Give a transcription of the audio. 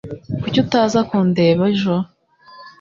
Kuki utaza kundeba ejo?